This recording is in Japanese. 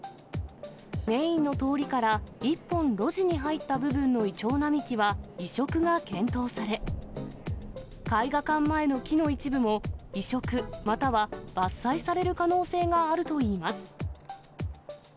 メインの通りから１本路地に入った部分のいちょう並木は移植が検討され、絵画館前の木の一部も移植または伐採される可能性があるといいます。